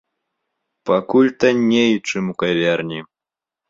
Пакуль танней, чым у кавярні.